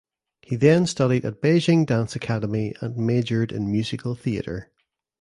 He then studied at Beijing Dance Academy and majored in Musical Theater.